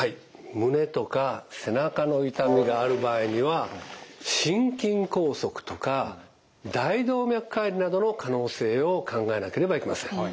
胸とか背中の痛みがある場合には心筋梗塞とか大動脈解離などの可能性を考えなければいけません。